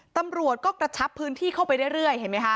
ตำรวจก็กระชับพื้นที่เข้าไปเรื่อยเห็นไหมคะ